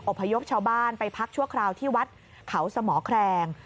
พยพชาวบ้านไปพักชั่วคราวที่วัดเขาสมแคลง